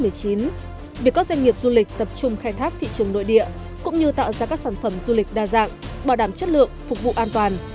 việc các doanh nghiệp du lịch tập trung khai thác thị trường nội địa cũng như tạo ra các sản phẩm du lịch đa dạng bảo đảm chất lượng phục vụ an toàn